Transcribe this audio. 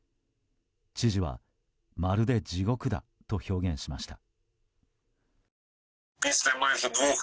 知事はまるで地獄だと表現しました。